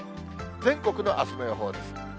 全国のあすの予報です。